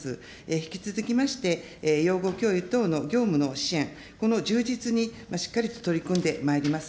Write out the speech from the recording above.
引き続きまして、養護教諭等の業務の支援、この充実にしっかりと取り組んでまいります。